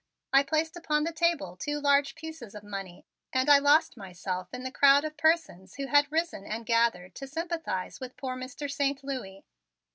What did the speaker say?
I placed upon the table two large pieces of money and I lost myself in the crowd of persons who had risen and gathered to sympathize with poor Mr. Saint Louis.